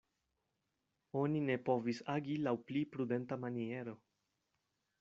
Oni ne povis agi laŭ pli prudenta maniero.